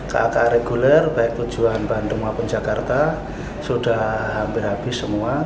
kaka reguler baik tujuan bandung maupun jakarta sudah hampir habis semua